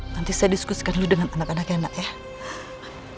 nanti saya diskusikan dulu dengan anak anaknya nak ya